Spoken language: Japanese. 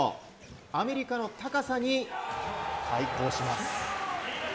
アメリカの高さに対抗します。